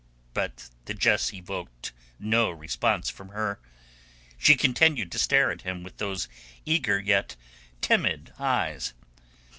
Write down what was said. But the jest evoked no response from her. She continued to stare at him with those eager yet timid eyes.